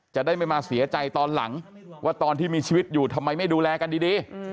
จะได้ไม่มาเสียใจตอนหลังว่าตอนที่มีชีวิตอยู่ทำไมไม่ดูแลกันดี